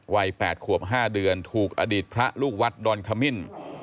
วัย๘ขวบ๕เดือนถูกอดีตพระลูกวัดดอนขมิ้น